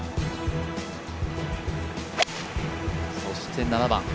そして７番。